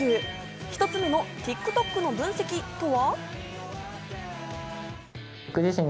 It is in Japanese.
１つ目のＴｉｋＴｏｋの分析とは？